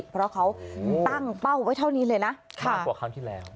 เพราะเขาตั้งเป้าไว้เท่านี้เลยนะมากกว่าครั้งที่แล้ว